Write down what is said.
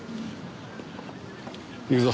行くぞ。